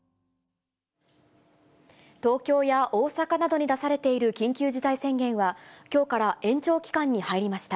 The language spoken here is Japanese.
東京や大阪などに出されている緊急事態宣言は、きょうから延長期間に入りました。